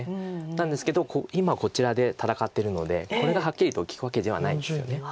なんですけど今こちらで戦ってるのでこれがはっきりと利くわけではないですよね。